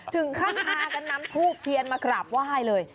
ถึงขั้นค้ากับนี้งั้นทูพเพียรมากราบว่ายเลย